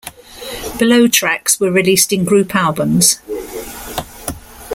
Below tracks were released in group albums.